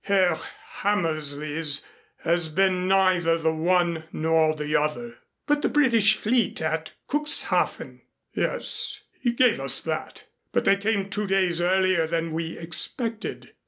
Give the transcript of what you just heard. Herr Hammersley's has been neither the one nor the other." "But the British fleet at Cuxhaven " "Yes, he gave us that, but they came two days earlier than we expected.